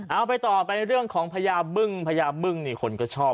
เอาไปต่อไปเรื่องของพญาบึ้งพญาบึ้งนี่คนก็ชอบ